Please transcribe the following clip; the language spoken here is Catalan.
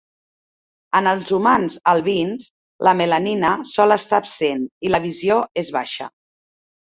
En els humans albins, la melanina sol estar absent i la visió és baixa.